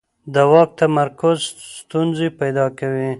د واک تمرکز ستونزې پیدا کوي